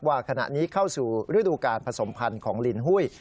ว่าขณะนี้เข้าสู่ฤดูการผสมพันธุ์ของลินหุ้ย